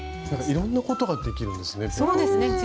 なんかいろんなことができるんですね。